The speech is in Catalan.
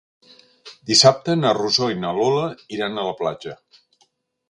Dissabte na Rosó i na Lola iran a la platja.